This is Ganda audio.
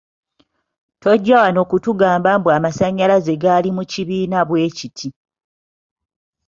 Tojja wano kutugamba mbu amasannyalaze gali mu kibiina bwekiti.